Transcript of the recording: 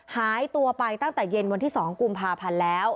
หายตัวไปตั้งแต่เย็นวันที่๒กุมภาพันธ์แล้ว